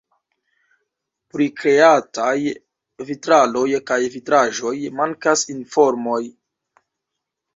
Pri kreataj vitraloj kaj vitraĵoj mankas informoj.